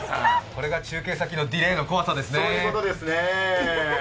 これが中継先のディレイの怖さですね。